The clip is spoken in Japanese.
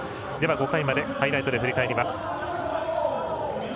５回までハイライトで振り返ります。